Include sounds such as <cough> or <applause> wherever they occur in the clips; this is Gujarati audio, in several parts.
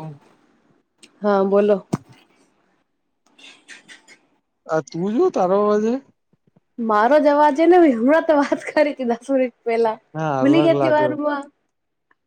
હમ. હા બોલો. આ તું જો તારો અવાજે. મારો જ અવાજ હેને બી હમણાં તો વાત કરીતી બપોરે. હા અલગ લાગ્યો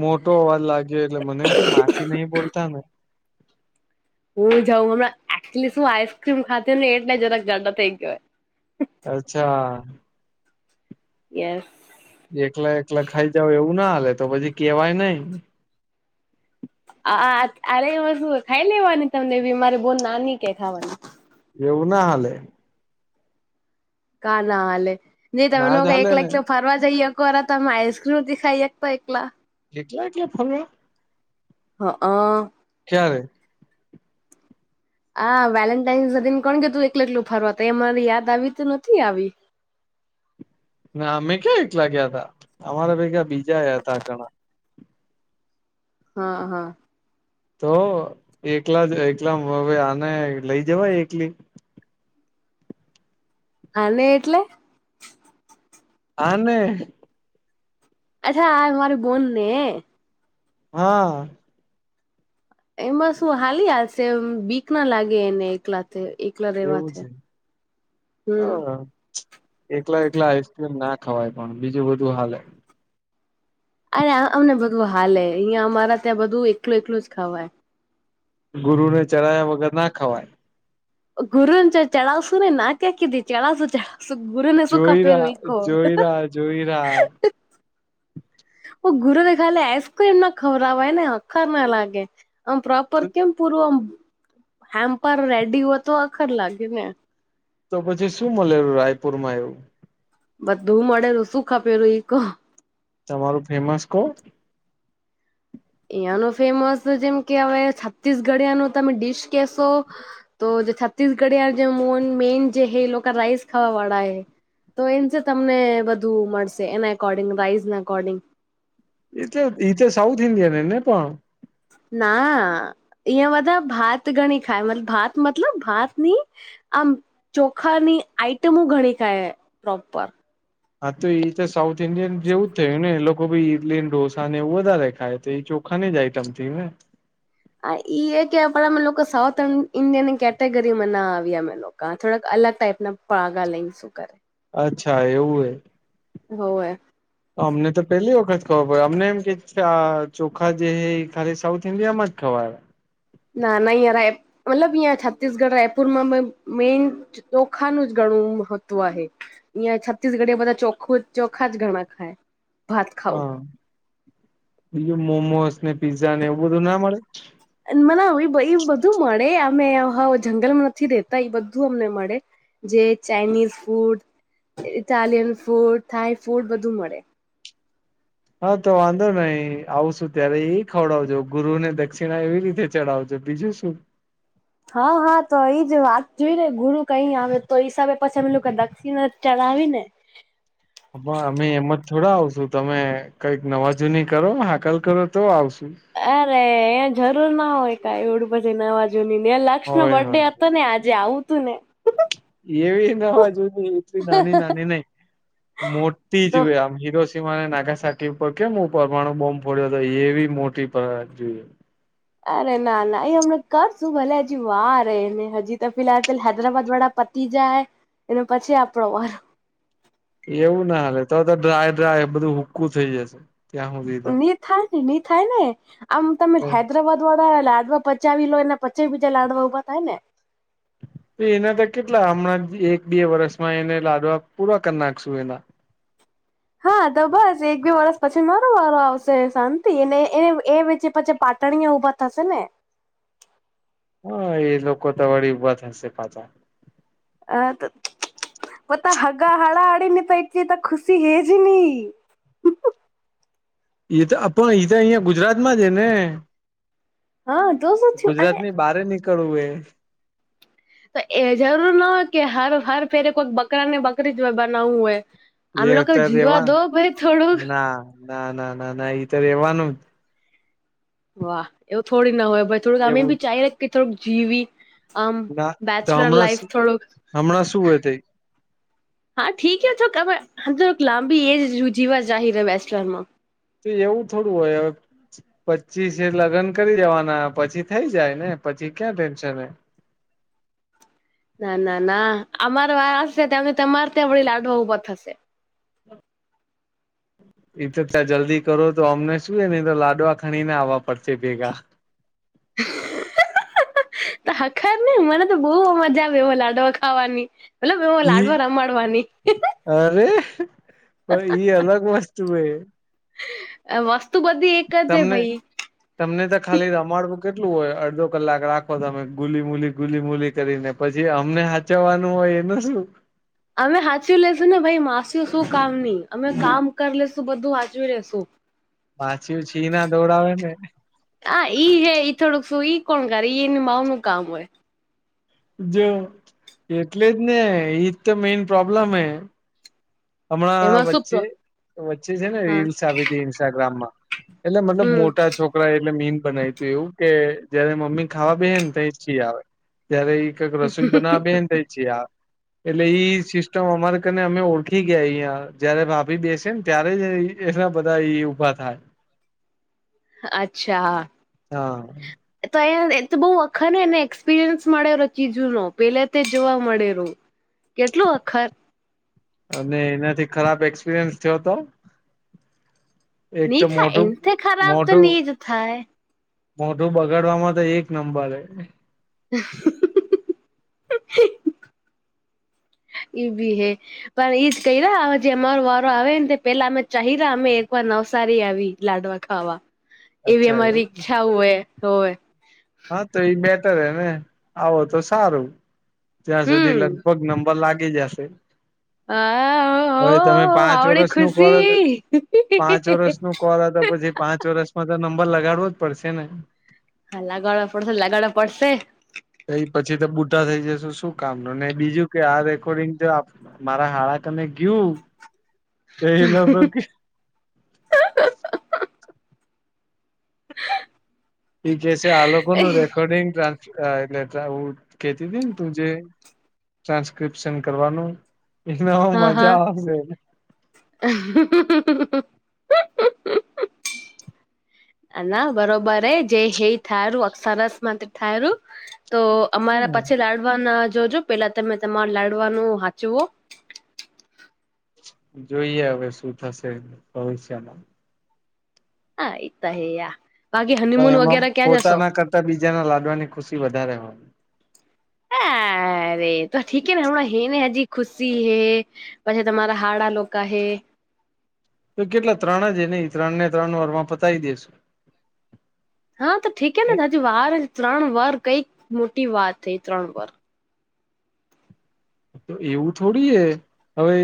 મોટો અવાજ લાગ્યો એટલે મને કે માસ એ નહી બોલતા ને. હું જઉં હમણાં એકચુલી શું આઈસક્રીમ ખાતી ને એટલે જરાક જાડો થઈ ગ્યોહ. અચ્છા. યસ. એકલા એકલા ખાઈ જાવ એવું ના હાલે તો પછી કેવાય નઈ. આ આત આરે વસ્તુઓ ખાઈ લેવાની તમને વીમારે બોન નાની કે થાવાની. એવું ના હાલે. કા ના હાલે ને તમે ના જ લોકો હાલે એકલા ને એકલા ફરવા જઈએ કર હતામાં આઈસ્ક્રીમ દીખાઈ એક તો એકલા. એકલા એકલા ફરવા. હક. ક્યારે? આા વેલેન્ટાઈન્સ દિન કોણ ગ્યું તું એકલે એટલું ફરવા ત એ મારી યાદ આવી તો નથી આવી. ના અમે ક્યાં એક ગ્યાતા અમારા ભેગા બીજાય હતા ઘણા. હા હા. તો એકલા જ એકલા હવે આને લઈ જવાય એકલી. હાલને એટલે આને અચ્છા આ મારી બુનને. હા. એમાં શું હાલિયાશે એમ બીક ના લાગે એને એકલાથે એક ત્યાં રેવા એવું થે છે હ હમ. એકલા એકલા આઈસક્રીમ ના ખવાય પણ બીજું બધું હાલે. અરે આ અમને બધું હાલે અહિયા અમારા ત્યાં બધું એકલું એકલું જ ખાવાય. ગુરુ ને ચરાયા વગર ના ખવાય. ગુરુને ચ ચઢાવશું ને ના ક્યાં કીધી ચઢાવશું ચડા સુ ગુરુ ને સુખા જોઈ પેરૂ રહ્યા ઈકો. જોઈ રહ્યા જોઈ રહ્યા ઓ ગુરૂ ને ખાલે આઈસક્રીમ ના ખવરાવાય ને અખર ના લાગે. આમ પ્રોપર કેમ પૂરું આમ હેમ્પર રેડી હોય તો આખર લાગે ને. તો પછી શું મળેલું રાયપુર માં એવુ. બધું મળેલું શુંખપેરુ ઇકો. તમારું ફેમસ કો? અયા ન ફેમસ જેમ કે હવે છત્તીસગઢિયા ન તમે ડીશ કેશો તો જે છત્તીસગઢીયા જે મોન મેન જે હે લોકા રાઈસ ખાવાવાળા એ. તો એમ છે તમને બધુ મળશે એના એકોર્ડિંગ રાઇઝના અકોર્ડિંગ એ તલે બીજા સાઉથ ઇન્ડિયન એ ને પણ ના અહીંયા બધા ભાત ગણી ખાય મત ભાત મતલબ ભાત ની આમ ચોખ્ખાની આઈટમો ઘણી ખાય પ્રોપર. હા તો એ તો સાઉથ ઈન્ડિયન જેવું જ થયું ને એ લોકો ભાઈ ઈડલીને ઢોસા ને એવું વધારે ખાય તો એ ચો ચોખાની જ આઇટમ થીને. હા ઈ એ કે આપણા અમે લોકો સાઉથ ઇન્ડિયનની કેટેગરીમાં ના આવ્યા અમે લોક થોડાક અલગ ટાઈપ ના પગા લઈને શું કરે. અચ્છા એવું હે. હોવવે. તો અમને તો પેલી વખત ખબર પડે અમને એમ કે આ ચોખા જે એ ખાલી સાઉથ ઈન્ડિયામાં જ ખવાય. ના ના મતલબ યા છત્તીસગઢ રાયપુરમાં મેન. ચોખાનું જ ઘણું મહત્વ હે. અહીંયા છત્તીસગઢે બધા ચોખુજ ચોખાજ ઘરમાં ખાય. ભાત હા ખાવું બીજું મોમોસ ને પીઝઝા ને એવું બધું ના મળે. ના ભઈ મને બધું મળે અમે હ જંગલમાં નથી રેતા અહીં બધું અમને મળે. જે Chinese food, Italian food, Thai food બધું મળે. હા તો વાંધો નઈ આવશું ત્યારે એ ખવડાવજો ગુરુ ને દક્ષિણા એવી રીતે. ચડાવજો બીજું શું. હા હા તો એ જ વાત જોઈ ને ગુરુ કઈ આવે તો હિસાબે પછી અમેલું કે દક્ષિણ જ ચલાવી ને. હ અમે એમ જ થોડા આવશું તમે કઈક નવા જૂની કરો હાકલ કરો તો આવશુ. અરે એ જરૂર ના હોય કઈ એવડું પછી નવા જૂની ને લક્ષ ન હોય બર્ડે હોય હતો. તો ને આજે આવું તું ને. એવી નવા જૂની એટલી નાની નાની નઈ. મોટી તો જ આમ હિરો સિમાને નાગા સાકી ઉપર કેમ હું પરમાણુ બોમ્બ ફોડ્યો હતો એ બી મોટી. <unintelligible> અરે ના ના એ હમણા કરશું ભલે હજી વારને હજી તો ફિહાલ પે હૈદરાબાદ વાળા પ પતી જાય એને પછી આપણો વારો. એવું ના હાલે તો તો ડ્રાય ડ્રાય બધું હુકું થઈ જશે ત્યાં હુધી. ની થાય ને ની થાય ને આમ તમે હૈદરાબાદ હૈદરાબાદ વાળા લાડવા પચાવી લો ને પચાવી બીજા લાડવા ઊભા થાય ને. તો એના તો કેટલા હમણાં એક બે વર્ષમાં એને લાડવા પૂવા કરી નાખશું એના. હા તો બસ એક બે વરસ પછી મારો વારો આવશે શાંતિ અને એને એ વેચે પછી પાટણિયા ઉભા થશે ને. હા એ લોકો તો વળી ઊભા થશે પાછા. આ તો મત સગા હાડા હાડી પથી તો ખુશી હેજ ની. એ તો આપણ ઈ તો અહ્યા ગુજરાતમાં છે ને. હા તો શું થયું અરે ગુજરાતની બારે નીકળવું એ. તો એ જરૂર નો હોય કે હર હર ફેરે કોઈક બકરા ને બકરી જ બનાવવું હોય. એ આમે એ લોકો તો જીવા રેવા દો ભય થોડું. ના ના ના ના ઈ તો રેવાનું. વાહ એવું થોડી ના હોય ભઈ થોડુંક જ અમે એવું ભી ચાહે કે થોડુંક જીવી. આમ ના તો બેચલર હમણાં લાાઈફ થોડુંક. હમણાં શું હોય તઈ હા ઠીક હ તોક લાંબી એજ ર જવા <unintelligible> વેસ્ટલનમાં તો એવું થોડું હોય હવે. પચીસે લગ્ન કરી દેવાના પછી થઈ જાય ને પછી ક્યાં ટેન્શન હૈ. ના ના ના અમાર વારો આવસે ત્યાર હુદી તમારે ત્યાં વળી લાડવા ઉભા થશે. એ તો ત્યાં જલ્દી કરો તો અમને શું એને અંદર લાડવા ખણી ને આવવા પડશે ભેગા. <unintelligible> આખર ને મને તો બહ મજા આવે એવા લાડવા ખાવાની. મતલબ એવા ઈ લાડવા રમાડવાની. અરે ભય ઈ અલગ વસ્તુ હે. અ વસ્તુ બધ તમને તમને તો ખાલી રમાડવું કેટલું હોય અડધો કલાક રાખો તમે ગુલી મૂલી ગુલી મૂલી કરીને. પછી અમને સહાચવવાનું હોય એનું શું. અમે હાચવી લેશું ને ભઈ માસ્યું શું કામ ની અમે કામ કરી લેશું બધું હાચવી લેસુ. <unintelligible> માછીયુ છી ના ધોવડાવે ને. હા ઈ હે ઈ થોડુંક શું ઈ કોણ કરે ઈ એની માવુનું કામ હોય. જો એટલે જ ને ઈજ તો મેઈન પ્રોબ્લેમ હે. હમણાં એમાં શું પ્રો વચ્ચે વચ્ચે છે ને હા રીલ્સ આવીતી ઇન્સ્ટાગ્રામમાં. એટલે મતલબ હમ મોટા છોક છોકરાએ એટલે મીન બનાયું તું એવું કે જયારે મમ્મી ખાવા બેહે ને તહીં જ છી આવે. ત્યારે ઈ કંઈક રસોઈ બનાવા બેહે ને તઈ જ છી આવે. એટલે ઈ સિસ્ટમ અમારે કને અમે ઓળ ગી ગયા અહીંયા જયારે ભાભી બેસે ને ત્યારે જ ઈ એના બધાં ઈ ઉભા થાય. હહ અચ્છા. હા એતો એ એ તો બહુ હખરને એને એક્સપિરિયન્સ મળેરો ચીજુનો પેલેથી જોવા મળેરુ. કેટલું હખર. અને એનાથી ખરાબ એક્સપિરિયન્સ થયો તો. એક નહી તો થાય મોઢું, એનથી ખરાબ તો મોઢું. નહી જ થાય મોઢું બગાડવામાં તો એક નંબર હે. ઈ ભી હૈ. પણ ઇજ કઈરા હવે જે અમારો વારો આવે ને તે પેલા અમે ચાહીરા અમે એકવાર નવસારી આવી. લાડવા ખાવા. એવી અચ્છા અમારી એવું ઈચ્છાઓ હે હોવે. હા તો ઈ બેટર હેને. આવો તો સારું. ત્યાં સુધી હમ લગભગ નંબર લાગી જાશે. હા હવે તમે હો પાંચ આવડી વર્ષનું કોરા તો, ખુશી પાંચ વર્ષનું કોરા તો પછી પાંચ વર્ષમાં તો નંબર લગાડવો જ પડશે ને. હા લગાડો પડશે, લગાડો પડશે. એઈ પછી તો બુઢા થઈ જશુ શું કામનું, ને બીજું કે આ રેકોર્ડિંગ તો આપ મારા હાળા કને ગયું તો એ લોકો કે ઈ કેશે આ લોકોનું રેકોર્ડિંગ ટ્રાન્સ અ એટલે ઉ કેતીતી ને તું જે ટ્રાન્સક્રિપ્શન કરવાનું. હા એનામાં હા મજા આવશે. <inaudible> અ ના બરોબર હે. જેહે થાયરુ અક્ષ સરસ માટે થાયરુ તો અમારા પછી લાડવાના જોજો પેલા તમે તમારે લાડવાનું હાંચવો. જોઈએ હવે શું થશે ભવિષ્યમાં. હા ઈત હે યા. બાકી હનીમૂન વગેરા ક્યાં જશો? તો બીજાના લાડવાની ખુશી વધારે હોય. હા અરે તો ઠીક હેને હમણાં હે ને હજી ખુશી હે, પછી તમારા હાડા લોકા હે. તો કેટલા ત્રણ જ હેને ઈ ત્રણને ત્રણ વરમાં પતાઈ દેશું. હા તો ઠીક એ હેને હજી વારે ત્રણ વર કંઈક મોટી વાત હે ઈ ત્રણ વર. ઈ તો એવું થોડી હે? હવે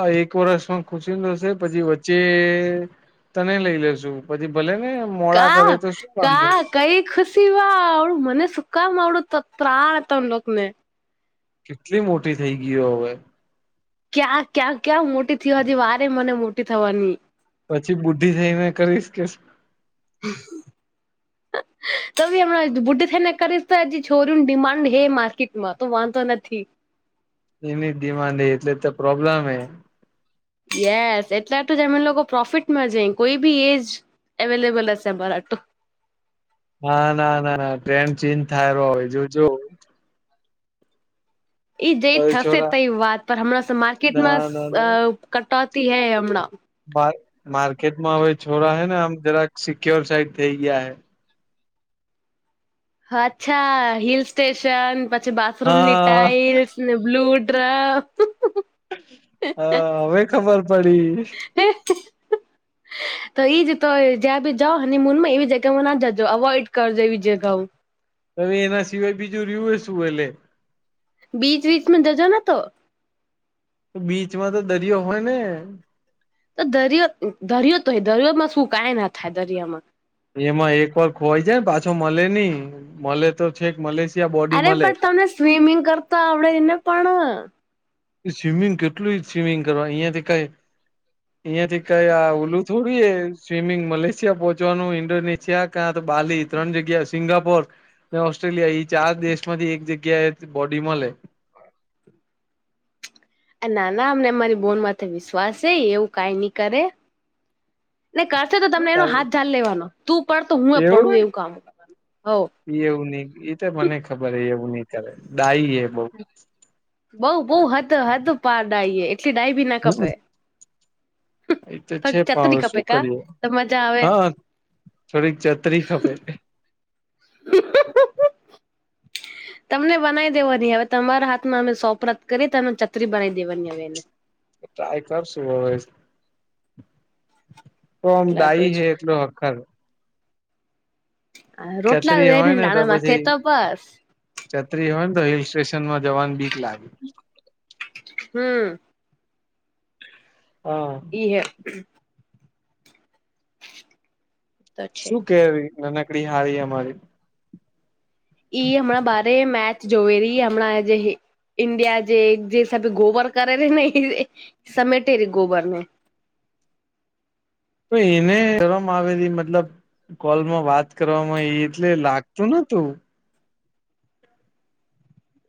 આ એક વરસમાં ખુશીનું થશે પછી વચ્ચે તને લઈ લેશું પછી ભલે ને મોડા કા કરે તો શું વાંધો કા કઈ ખુશીમાં આવડું મને સુકામ આવડું ત પ્રા તમ લોકને. કેટલી મોટી થઈ ગી હો હવે. ક્યાં ક્યાં ક્યાં મોટી થિવાથી વારે મને મોટી થવાની. પછી બુદ્ધિ થઈ મેને કરીશ કે. <inaudible> તો ભી હમણાં બૂઢી થઈને કરીશ તોય હજી છોરીયુનું ડિમાન્ડ હે માર્કેટમાં તો વાંધો નથી. એની જ ડિમાન્ડ હે, એટલે તો પ્રોબ્લેમ હે. યસ એટલા હાટુ જ અમે લોકો પ્રોફિટમાં જઈ કોઈ બી એજ એવેલેબલ છે આમારા આટો. ના ના ના ના ટ્રેન ચેન્જ થાયરો હોવે જો જો. ઈ જે હવે થશે છોરા તઈ વાત પર હમણાં સ ના માર્કેટમાં ના અ કટોતી હૈ હમણાં મા માર્કેટમાં હવે છોરા હે ને આમ જરાક સિક્યોર સાઈડ થઇ ગયા હે. અચ્છા હિલ સ્ટેશન પછી બાથરૂમની હા ટાઈલ્સ ને બ્લુડ્ર. હ હવે ખબર પડી. એ તો એઈ જ તો જ્યાં ભી જાઓ હનીમૂન માં એવી જગ્યામાં ના જજો અવોઈડ કરજો એવી જગાઓ. હવે એના સિવાય બીજું રીયુ શું હે લે. બીચ વીચમાં જજો ને તો. બીચમાં તો દરિયો હોય ને. તો દરિયો દરિયો તો દરિયોમાં શું કંઈ ના થાય દરિયામાં એમાં એક વાર ખોવાય જાય ને પાછો મલે નઈ મલે તો છેક મલે. અરે પણ તમને સ્વિમિંગ કરતા આવડેને પણ સ્વિમિંગ કેટલું સ્વિમિંગ કરવા ની અહિયાંથી કઈ. અહીંયા થી કઈ આ ઓલું થોડું એ સ્વિમિંગ મલેશિયા પહોંચવાનું ઈન્ડોનેશિયા કા તો બાલી ત્રણ જગ્યા સિંગાપોર. ઓસ્ટ્રેલિયા ઈ ચાર દેશ માંથી એક જગ્યા એ બોડી મલે. નાના અમને મારી બોન માથે વિશ્વાસ છે એવું કાઈ ની કરે. ને કરશે તો તમને એનો હાથ જાલ લેવાનો તું પડ તો હું એ પડું એવું કામ કરવાનું હો. એ એવું ની ઈ તો મને ખબર એવું નહિ કરે ડાઈ એ બઉ. બઉ બઉ હદ હદ પાર ડાયએ એટલી ડાય બી ના હમ ખપે. એ તો છે થોડી પણ ચતરી હવે ખપે શું કા કરીએ તો મજા આવે અ. થોડી ક ચતરી ખપે. <inaudible> તમને બનાઈ દેવાની હવે તમારા હાથમાં અમે સોપરત કરી તમે ચતરી બનાવી દેવાની હવે એને. ટ્રાય કરશું હવે. તો ઓમ એટલા તો ડાઈ જ હે એટલૂ હખર. હ રોટલા છત્રી દેને ડાણા માંથે તો બસ. ચતરી હોય ને તો હિલ સ્ટેશન માં જવાનું બીક લાગે. હમ્મ. હ અ. એરે <unintelligible> તો છે શું કેયરી નનકડી હારી અમારી. ઈ હમણાં બારે મેચ જોવે રહી હમણા આજે હે ઈન્ડિયા જે જે હિસાબે ગોબર કરે રિ ને એ સમેટે રિ ગોબર ને. તો એને શરમ આવેરી મતલબ. કોલમાં વાત કરવામાં એ એટલે લાગતું નોતું.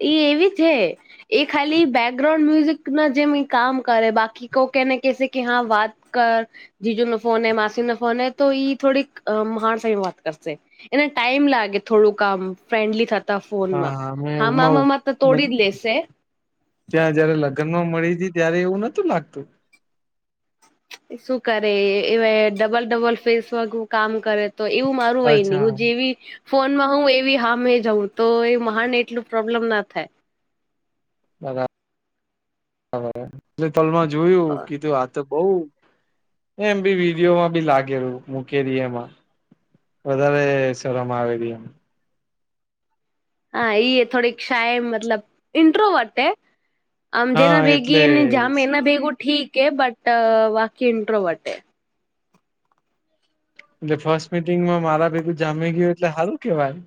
ઈ એવીજ હે. એ ખાલી બેકગ્રાઉન્ડ મ્યુઝિક ના જેમ ઇ કામ કરે બાકી કોક એને કહેશે કે હા વાત. કર જીજુ નો ફોન હે માસી નો ફોન હે તો ઈ થોડીક મહાણસાઈ વાત કરશે. એને ટાઈમ લાગે થોડુંક આમ ફ્રેન્ડલી થત તો હા ફોનમાં અમે હામામામા તો ઉમાં તોડી જ લેશે. ત્યાં જયારે લગ્ન માં મળી હતી ત્યારે એવું નતું લાગતું. શું કરે એ એવે ડબલ ડબલ ફેસવગુ કામ કરે. તો એવું મારું હયનહી અચ્છા હું જેવી. ફોનમાં હું એવી હામે જઉં તો એ મહાણ ને એટલું પ્રોબ્લેમ ના થાય. બરાબર એટલે તલમાં જોયું થાય કીધું આ તો બઉ એમ બી વિડીયોમાં બી લાગેરૂ મૂકેરિ એમાં. વધારે શરમ આવે રી એમ. હા એઈ થોડીક ક્ષાયે મતલબ ઇન્ટ્રો વટે. આમ જેના હા ભેગી એટલે એને જામે એટલે એના ભેગું ઠીક હે બટ અ બાકી ઇન્ટ્રોવટ હે. એટલે ફર્સ્ટ મિટિંગમાં મારા ભેગું જામી ગ્યું એટલે હારું કેવાય.